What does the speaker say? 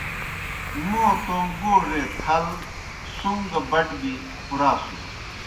موں توموْ گوڙے تھل سُم گہ بٹ گیْ پُراسُن۔